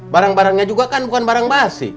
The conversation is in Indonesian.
barang barangnya juga kan bukan barang basi